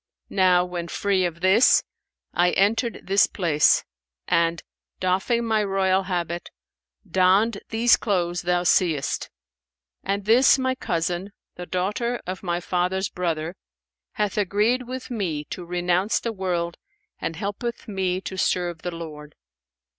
Now when free of this, I entered this place and, doffing my royal habit, donned these clothes thou seest; and this my cousin, the daughter of my father's brother, hath agreed with me to renounce the world and helpeth me to serve the Lord.